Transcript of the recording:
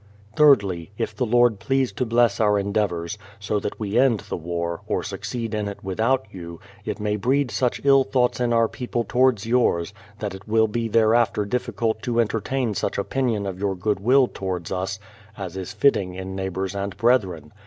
Thirdly, if the Lord please to bless our endeavours, so that we end the war, or succeed in it without you, it may breed such ill thoughts in our people towards yours, that it will be thereafter difficult to entertain such opinion of your good will towards us as is fitting in neighbours and brethren.